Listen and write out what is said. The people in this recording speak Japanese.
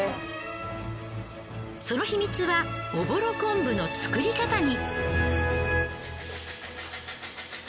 その秘密はおぼろ昆布の作り方に。